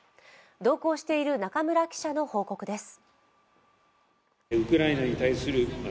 同行している中村記者の報告です。